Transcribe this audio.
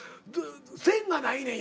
線がないねん